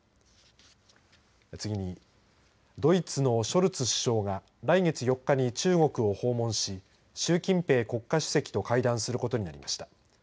次にドイツのショルツ首相が来月４日に中国を訪問し習近平国家主席と会談することになりました。